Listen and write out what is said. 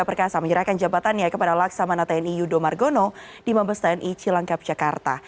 perkasa menyerahkan jabatannya kepada laksamana tni yudo margono di mabes tni cilangkap jakarta